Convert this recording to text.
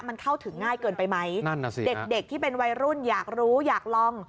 มันเข้าถึงง่ายเกินไปไหมนั่นน่ะสิเด็กเด็กที่เป็นวัยรุ่นอยากรู้อยากลอง